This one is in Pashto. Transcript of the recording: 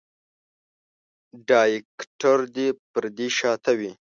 ډايرکټر د پردې شاته وي.